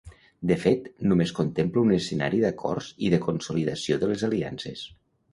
De fet, només contemplo un escenari d’acords i de consolidació de les aliances.